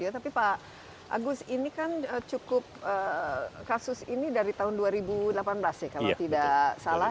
tapi pak agus ini kan cukup kasus ini dari tahun dua ribu delapan belas ya kalau tidak salah